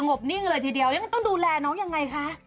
บนิ่งเลยทีเดียวยังไงต้องดูแลน้องยังไงคะ